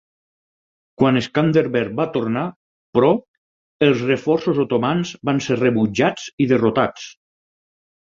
Quan Skanderbeg va tornar, però, els reforços otomans van ser rebutjats i derrotats.